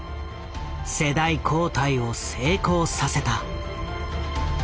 世代交代を成功させた。